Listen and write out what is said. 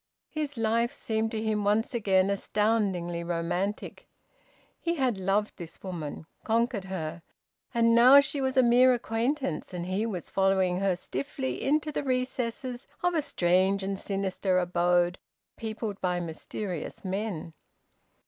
His life seemed to him once again astoundingly romantic. He had loved this woman, conquered her. And now she was a mere acquaintance, and he was following her stiffly into the recesses of a strange and sinister abode peopled by mysterious men.